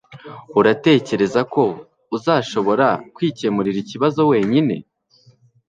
uratekereza ko uzashobora kwikemurira ikibazo wenyine